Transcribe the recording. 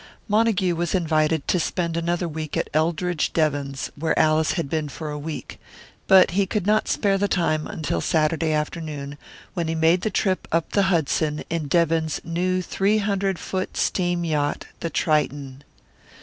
Montague was invited to spend another week at Eldridge Devon's, where Alice had been for a week; but he could not spare the time until Saturday afternoon, when he made the trip up the Hudson in Devon's new three hundred foot steam yacht, the Triton.